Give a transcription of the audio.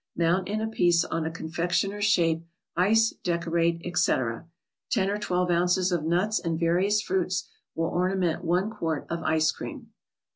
Mount in a piece on a confectioner's shape, ice, decorate, etc. Ten or twelve ounces of nuts and various fruits will ornament one quart of ice cream.